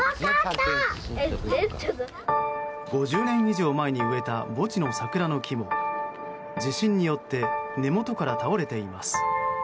５０年以上前に植えた墓地の桜の木も地震によって根元から倒れています。